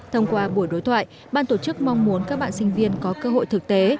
thông qua buổi đối thoại ban tổ chức mong muốn các bạn sinh viên có cơ hội thực tế